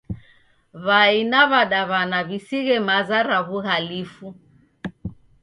W'ai na w'adaw'ana w'isighe maza ra w'uhalifu.